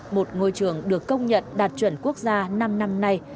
một ngôi trường được công nhận đạt chuẩn quốc gia năm năm nay